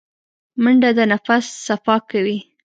منډه د نفس صفا کوي